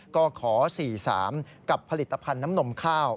ก็ขอ๔๓กับผลิตภัณฑ์น้ำนมข้าว